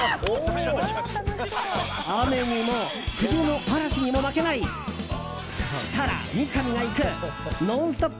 雨にも、冬の嵐にも負けない設楽・三上が行く「ノンストップ！」